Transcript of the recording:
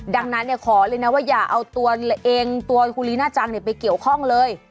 ดังนั้นขอเลยนะว่าอย่าเอาตัวเองตัวคุณลีน่าจังไปเกี่ยวข้องเลย